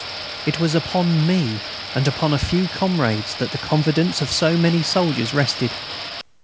It was upon me, and upon a few comrades, that the confidence of so many soldiers rested.